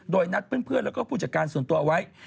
โดยนัดเพื่อนแล้วก็ผู้จัดการส่วนตัวเอาไว้